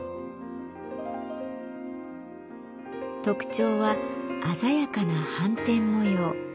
特徴は鮮やかな斑点模様。